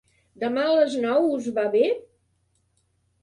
Demà a les nou us va bé?